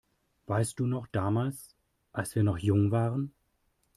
Weißt du noch damals, als wir noch jung waren?